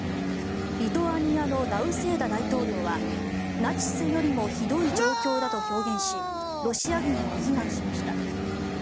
リトアニアのナウセーダ大統領はナチスよりもひどい状況だと表現しロシア軍を非難しました。